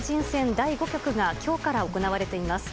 第５局が今日から行われています。